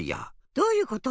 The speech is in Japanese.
どういうこと？